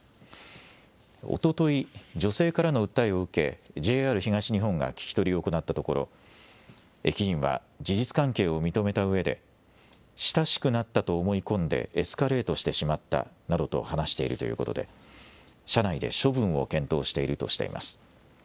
おととい、女性からの訴えを受けＪＲ東日本が聞き取りを行ったところ、駅員は事実関係を認めたうえで親しくなったと思い込んでエスカレートしてしまったなどと話しているということで社内で処分を検討しているとしています。